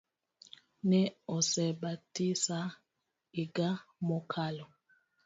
Ne osebatisa iga mokalo